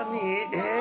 えっ！？